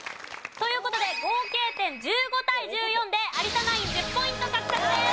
という事で合計点１５対１４で有田ナイン１０ポイント獲得です。